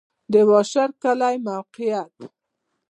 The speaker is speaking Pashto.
د واشر کلی موقعیت